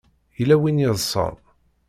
Yella win yeḍsan.